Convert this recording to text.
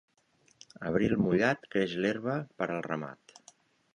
Abril mullat, creix l'herba per al ramat.